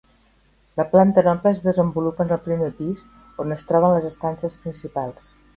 La planta noble es desenvolupa en el primer pis, on es troben les estances principals.